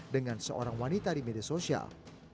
dengan seorang wanita di media sosial